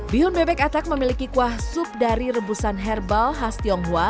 bihun bebek atak memiliki kuah sup dari rebusan herbal khas tionghoa